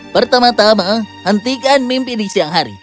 pertama tama hentikan mimpi di siang hari